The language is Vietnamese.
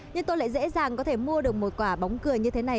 nhưng tôi lại dễ dàng có thể mua được một quả bóng cười như thế này